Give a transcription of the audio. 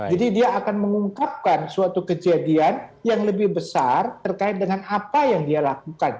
jadi dia akan mengungkapkan suatu kejadian yang lebih besar terkait dengan apa yang dia lakukan